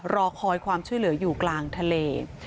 รอคอยความช่วยเหลืออยู่กลางทะเล